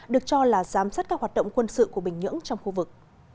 được cho là giám sát các hoạt động quân sự của bình nhưỡng trong khu vực